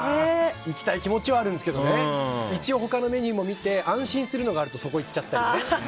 いきたい気持ちはあるんですけど一応、他のメニューも見て安心するのがあるとそこにいっちゃったりね。